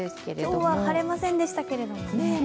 今日は晴れませんでしたけれどもね。